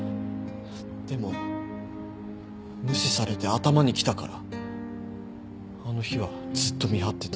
でも無視されて頭にきたからあの日はずっと見張ってた。